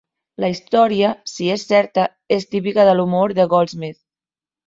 La història, si és certa, és típica de l'humor de Goldsmith.